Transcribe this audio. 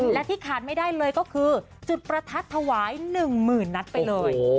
และที่ขาดไม่ได้เลยก็คือจุดประทัดถวาย๑๐๐๐นัดไปเลย